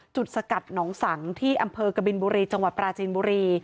สกัดหนองสังที่อำเภอกบินบุรีจังหวัดปราจีนบุรี